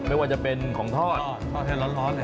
ไม่ว่าจะเป็นของทอด